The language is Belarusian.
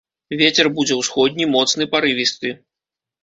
Вецер будзе ўсходні, моцны парывісты.